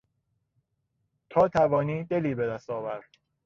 تا توانی دلی بهدست آور...